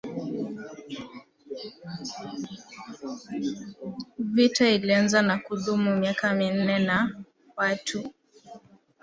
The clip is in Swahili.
Vita ilianza na kudumu miaka minne na watu